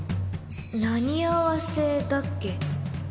何合わせだっけ？